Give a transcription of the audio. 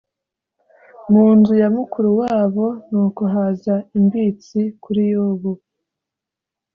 mu nzu ya mukuru wabo, nuko haza imbitsi kuri Yobu